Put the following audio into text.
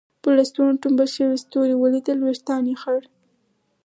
پر لستوڼو ټومبل شوي ستوري ولیدل، وېښتان یې خړ.